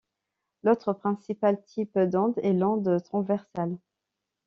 L'autre principal type d'onde est l'onde transversale.